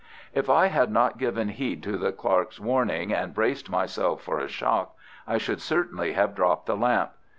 If I had not given heed to the clerk's warning, and braced myself for a shock, I should certainly have dropped the lamp.